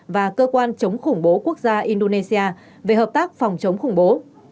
và cơ quan chống khủng bố quốc gia indonesia về hợp tác phòng chống khủng bố